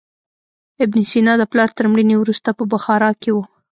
ابن سینا د پلار تر مړینې وروسته په بخارا کې و.